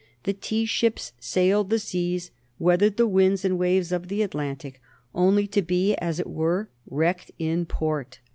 The tea ships sailed the seas, weathered the winds and waves of the Atlantic, only to be, as it were, wrecked in port.